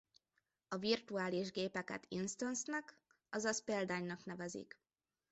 A virtuális gépeket instance-nak azaz példánynak nevezik.